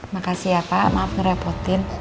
makasih ya pak maaf ngerepotin